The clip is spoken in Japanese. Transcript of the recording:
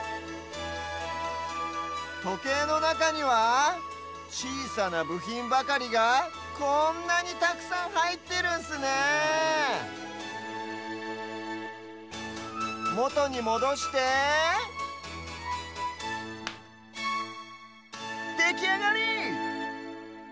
とけいのなかにはちいさなぶひんばかりがこんなにたくさんはいってるんすねえもとにもどしてできあがり！